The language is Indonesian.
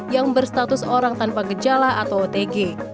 yang berstatus orang tanpa gejala atau otg